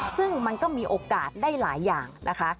ซึ่งมันก็มีโอกาสได้หลายอย่างนะคะ